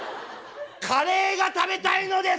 カレーが食べたいのです！